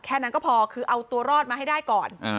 แค่นั้นก็พอคือเอาตัวรอดมาให้ได้ก่อน